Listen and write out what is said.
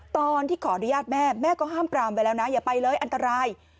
ตอนที่ขออนุญาตแม่แม่ก็ห้ามปรามไปแล้วนะอย่าไปเลยอันตราย